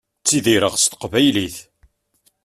Ttidireɣ s teqbaylit.